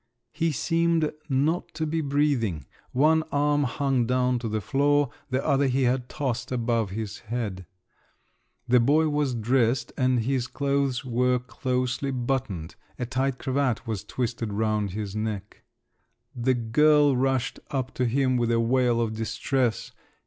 He seemed not to be breathing; one arm hung down to the floor, the other he had tossed above his head. The boy was dressed, and his clothes were closely buttoned; a tight cravat was twisted round his neck. The girl rushed up to him with a wail of distress.